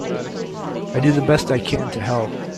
I do the best I can to help.